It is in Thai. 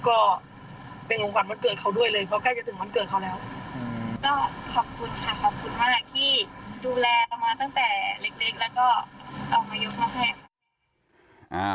ก็ขอบคุณค่ะขอบคุณมากที่ดูแลเอามาตั้งแต่เล็กแล้วก็เอามายกเข้าให้